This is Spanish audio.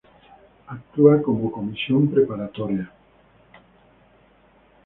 Actúa como Comisión Preparatoria.